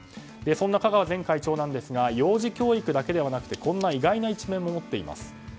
そんな香川前会長ですが幼児教育だけでなくこんな意外な一面も持っています。